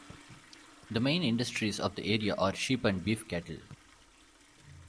The main industries of the area are sheep and beef cattle.